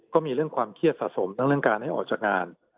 ก็มีเรื่องความเครียดสะสมทั้งเรื่องการให้ออกจากงาน